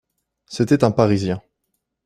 C'était un parisien.